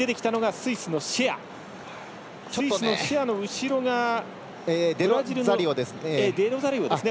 スイスのシェアの後ろがデロザリオですね。